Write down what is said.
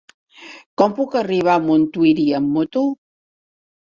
Com puc arribar a Montuïri amb moto?